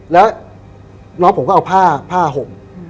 แล้วน้องผมก็เอาผ้าผ้าห่ม